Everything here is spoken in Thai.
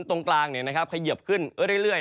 ตรงกลางนะครับเขยียบขึ้นเรื่อย